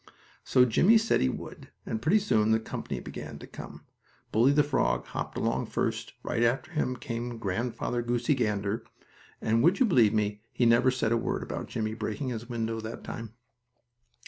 So Jimmie said he would, and pretty soon the company began to come. Bully, the frog, hopped along first, and right after him came Grandfather Goosey Gander, and, would you believe me, he never said a word about Jimmie breaking his window that time.